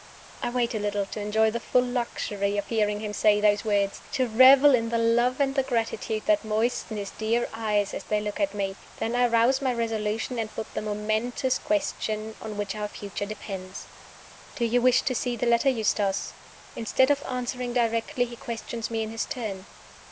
I wait a little, to enjoy the full luxury of hearing him say those words to revel in the love and the gratitude that moisten his dear eyes as they look at me. Then I rouse my resolution, and put the momentous question on which our future depends. "Do you wish to see the letter, Eustace?" Instead of answering directly, he questions me in his turn.